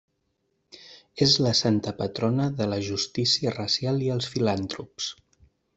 És la santa patrona de la justícia racial i els filantrops.